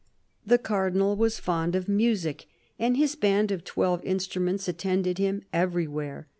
The Cardinal was fond of music, and his band of twelve instruments attended him everywhere.